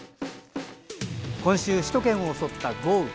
今週、首都圏を襲った豪雨。